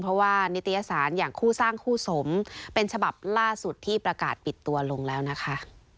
เพราะว่านิตยสารอย่างคู่สร้างคู่สมเป็นฉบับล่าสุดที่ประกาศปิดตัวลงแล้วนะคะ